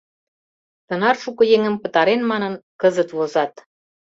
Тынар шуко еҥым пытарен манын, кызыт возат.